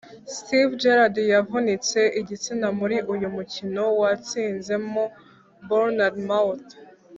Steven Gerrard yavunitse igitsina muri uyu mukino batsinzemo Bournemouth